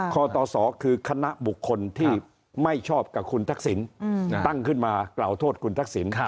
ตศคือคณะบุคคลที่ไม่ชอบกับคุณทักษิณตั้งขึ้นมากล่าวโทษคุณทักษิณ